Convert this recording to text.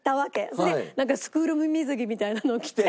それでなんかスクール水着みたいなのを着て。